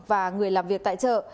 và người làm việc tại chợ